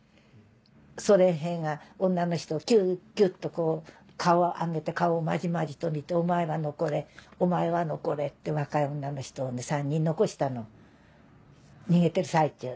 ソ連兵が女の人をキュっキュっとこう顔を上げて顔をまじまじと見て「お前は残れお前は残れ」って若い女の人を３人残したの逃げてる最中。